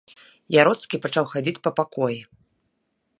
Яроцкі пачаў хадзіць па пакоі.